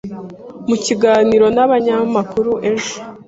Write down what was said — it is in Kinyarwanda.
mu kiganiro n'abanyamakuru ejo